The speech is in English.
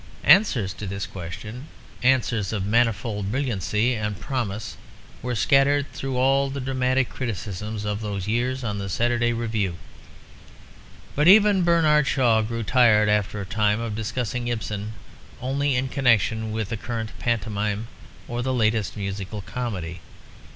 Answers to this question, answers of manifold brilliancy and promise, were scattered through all the dramatic criticisms of those years on the Saturday Review. But even Bernard Shaw grew tired after a time of discussing Ibsen only in connection with the current pantomime or the latest musical comedy.